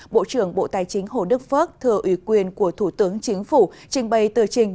bộ trưởng bộ tài chính hồ đức phước thừa ủy quyền của thủ tướng chính phủ trình bày tờ trình